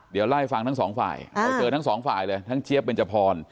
เดี๋ยวไล่ฟังทั้งสองฝ่ายไปเจอทั้งสองฝ่ายเลยทั้งเจี๊ยบเบนจพร